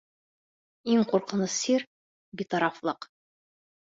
Иң ҡурҡыныс сир — битарафлыҡ.